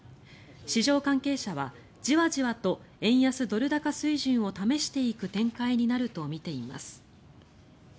市場関係者はじわじわと円安・ドル高水準を試していく展開になると見ています。